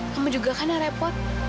kamu juga kan yang repot